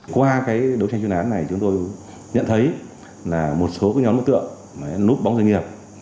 qua cái đấu tranh chuyên án này chúng tôi nhận thấy là một số nhóm đối tượng núp bóng doanh nghiệp